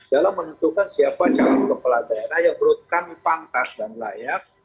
dalam menentukan siapa calon kepala daerah yang menurut kami pantas dan layak